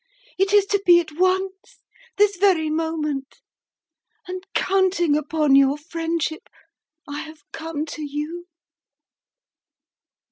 It is to be at once, this very moment, and, counting upon your friendship, I have come to you."